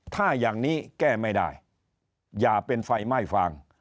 ถ้าอย่างนี้แก้ไม่ได้อย่าเป็นไฟไหม้ฟาง